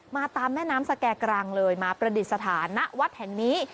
ตามแม่น้ำสแก่กรังเลยมาประดิษฐานณวัดแห่งนี้